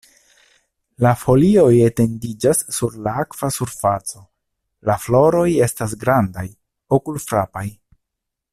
La folioj etendiĝas sur la akva surfaco, la floroj estas grandaj, okulfrapaj.